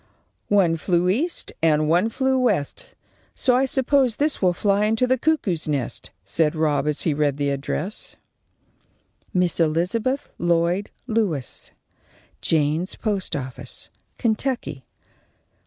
"One flew east and one flew west, so I s'pose this will fly into the cuckoo's nest," said Rob, as he read the address: _Miss Elizabeth Lloyd Lewis, Jaynes's Post office, Kentucky.